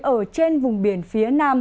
ở trên vùng biển phía nam